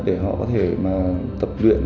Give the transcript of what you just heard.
để họ có thể mà tập luyện